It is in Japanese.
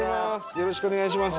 よろしくお願いします。